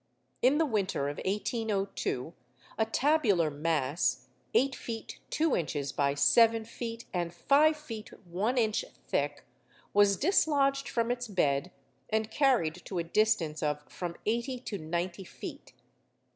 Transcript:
In the winter of 1802, a tabular mass, eight feet two inches by seven feet, and five feet one inch thick, was dislodged from its bed, and carried to a distance of from eighty to ninety feet.